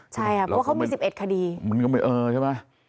ใช่ครับเพราะเขามี๑๑คดี